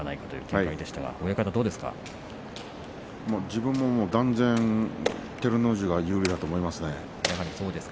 自分も断然、照ノ富士が有利だと思います。